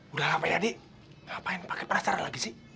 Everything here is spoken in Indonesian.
udah lah pak yadi ngapain pakai penasaran lagi sih